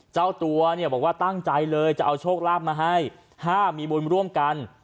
เจ้าตัวเนี่ยบอกว่าตั้งใจเลยจะเอาโชคลาภมาให้ห้ามมีบุญร่วมกัน